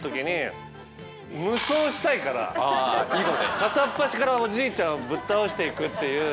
片っ端からおじいちゃんをぶっ倒していくっていう。